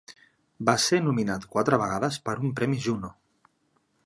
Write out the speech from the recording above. Va ser nominat quatre vegades per un premi Juno.